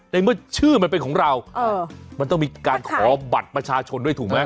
ในเมื่อชื่อมันเป็นของเรามันต้องมีการขอบัตรประชาชนด้วยถูกไหม